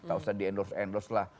gak usah di endorse endorse lah